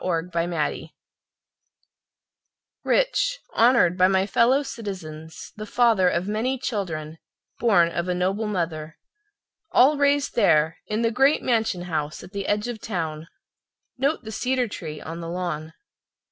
Washington McNeely Rich, honored by my fellow citizens, The father of many children, born of a noble mother, All raised there In the great mansion—house, at the edge of town. Note the cedar tree on the lawn!